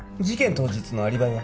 当日のアリバイは？